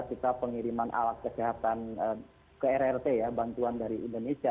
kita pengiriman alat kesehatan ke rrt ya bantuan dari indonesia